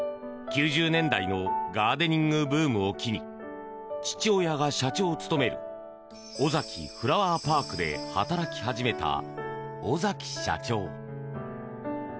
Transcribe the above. ９０年代のガーデニングブームを機に父親が社長を務めるオザキフラワーパークで働き始めた尾崎社長。